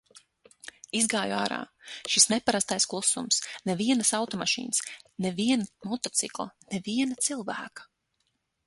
Izgāju ārā, šis neparastais klusums, nevienas automašīnas, ne viena motocikla, ne viena cilvēka.